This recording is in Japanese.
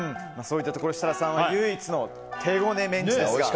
設楽さんは唯一の手ごねメンチですが。